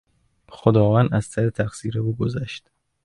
خداوند از سر تقصیر او گذشت.